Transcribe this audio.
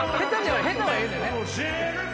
下手はええねんね。